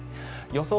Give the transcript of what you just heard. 予想